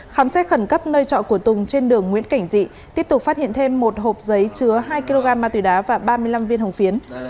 khám xét khẩn cấp nơi trọ của tùng trên đường nguyễn cảnh dị tiếp tục phát hiện thêm một hộp giấy chứa hai kg ma túy đá và ba mươi năm viên hồng phiến